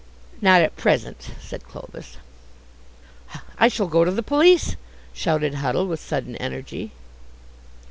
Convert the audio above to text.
"Not at present," said Clovis. "I shall go to the police," shouted Huddle with sudden energy.